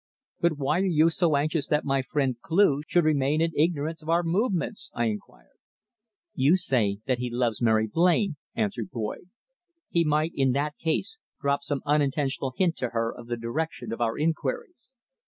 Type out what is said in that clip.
"But why are you so anxious that my friend Cleugh should remain in ignorance of our movements?" I inquired. "You say that he loves Mary Blain," answered Boyd. "He might in that case drop some unintentional hint to her of the direction of our inquiries.